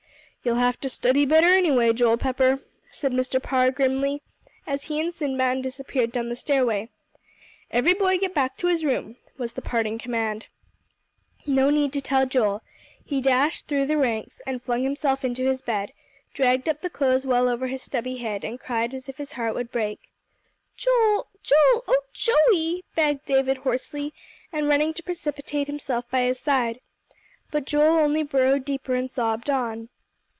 "You'll have to study better anyway, Joel Pepper," said Mr. Parr grimly, as he and Sinbad disappeared down the stairway. "Every boy get back to his room," was the parting command. No need to tell Joel. He dashed through the ranks, and flung himself into his bed, dragged up the clothes well over his stubby head, and cried as if his heart would break. "Joel Joel oh, Joey!" begged David hoarsely, and running to precipitate himself by his side. But Joel only burrowed deeper and sobbed on.